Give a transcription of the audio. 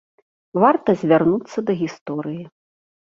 Варта звярнуцца да гісторыі.